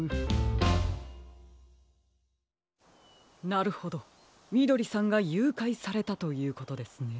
なるほどみどりさんがゆうかいされたということですね。